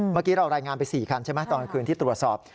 เมื่อกี้เรารายงานไป๔คันใช่ไหมตอนกลางคืนที่ตรวจสอบ